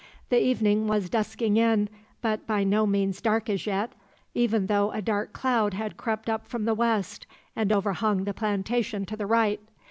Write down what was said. The evening was dusking in, but by no means dark as yet, even though a dark cloud had crept up from the west and overhung the plantation to the right.